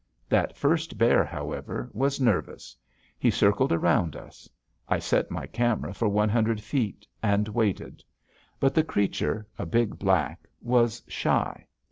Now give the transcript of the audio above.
That first bear, however, was nervous. He circled around us. I set my camera for one hundred feet, and waited. But the creature, a big black, was shy.